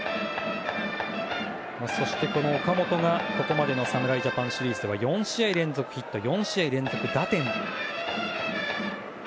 そしてこの岡本が、ここまでの侍ジャパンシリーズでは４試合連続ヒット４試合連続打点。